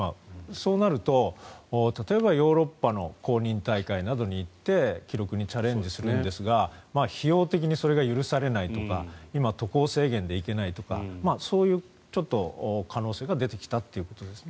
そうなると、例えばヨーロッパの公認大会などに行って記録にチャレンジするんですが費用的にそれが許されないとか今、渡航制限で行けないとかそういう可能性が出てきたということですね。